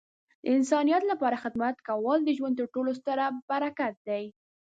د انسانیت لپاره خدمت کول د ژوند تر ټولو ستره برکت دی.